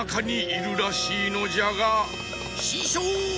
ししょう！